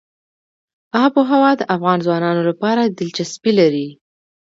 آب وهوا د افغان ځوانانو لپاره دلچسپي لري.